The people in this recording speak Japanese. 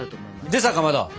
でさかまど！